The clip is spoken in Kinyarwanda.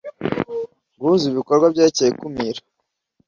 guhuza ibikorwa byerekeye ikumira